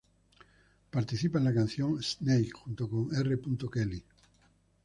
Participa en la canción "Snake" junto R. Kelly.